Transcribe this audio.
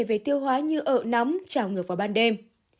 về tiêu hóa như ở nóng trào ngược vào ban đêm